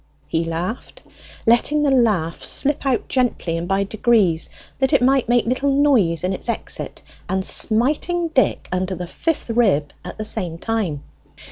he laughed, letting the laugh slip out gently and by degrees that it might make little noise in its exit, and smiting Dick under the fifth rib at the same time.